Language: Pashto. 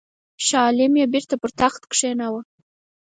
شاه عالم یې بیرته پر تخت کښېناوه.